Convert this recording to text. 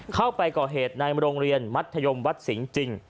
เข้าไปก่อเหตุในโรงเรียนมัธยมวัดสิงห์จริง